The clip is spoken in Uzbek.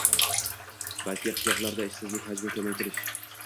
balki qishloqlarda ishsizlik hajmini kamaytirish